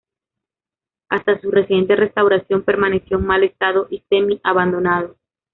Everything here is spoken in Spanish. Hasta su reciente restauración, permaneció en mal estado y semi-abandonado.